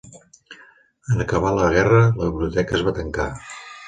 En acabar la guerra, la biblioteca es va tancar.